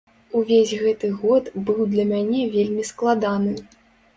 Увесь гэты год быў для мяне вельмі складаны.